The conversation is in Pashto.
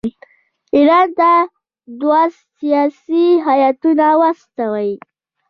ایران ته دوه سیاسي هیاتونه واستوي.